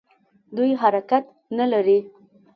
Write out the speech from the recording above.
دوی حرکت نه لري.